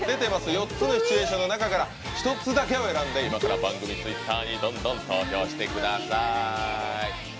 ４つのシチュエーションの中から１つだけを選んで今から番組ツイッターにどんどん投票してください。